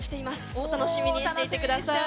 お楽しみにしてください。